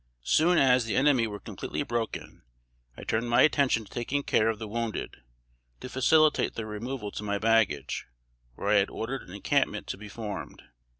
Soon as the enemy were completely broken, I turned my attention to taking care of the wounded, to facilitate their removal to my baggage, where I had ordered an encampment to be formed.